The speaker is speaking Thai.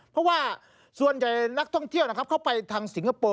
เพราะว่าส่วนใหญ่นักท่องเที่ยวนะครับเข้าไปทางสิงคโปร์